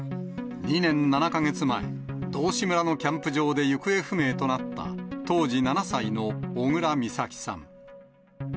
２年７か月前、道志村のキャンプ場で行方不明となった、当時７歳の小倉美咲さん。